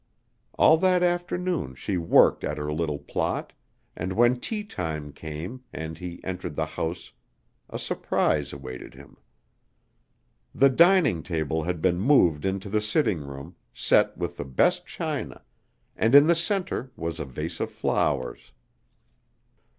All that afternoon she worked at her little plot, and when tea time came and he entered the house a surprise awaited him. The dining table had been moved into the sitting room, set with the best china, and in the center was a vase of flowers.